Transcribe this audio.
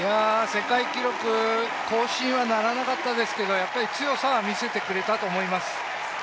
世界記録更新はならなかったですけれども、やっぱり強さは見せてくれたと思います。